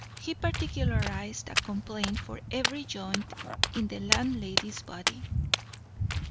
He particularised a complaint for every joint in the landlady's body.